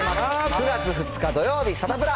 ９月２日土曜日、サタプラ。